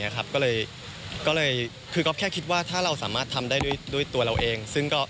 ก็เลยคือก๊อฟแค่คิดว่าถ้าเราสามารถทำได้ด้วยตัวเราเอง